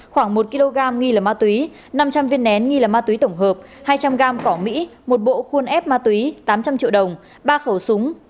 khoảng một kg nghi là ma tùy năm trăm linh viên nén nghi là ma tùy tổng hợp hai trăm linh gam cỏ mỹ một bộ khuôn ép ma tùy tám trăm linh triệu đồng ba khẩu súng